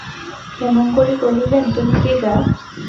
ক্ষেমংকরী কহিলেন, তুমি কে গা!